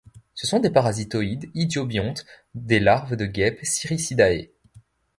Ce sont des parasitoïdes idiobiontes des larves de guêpes Siricidae.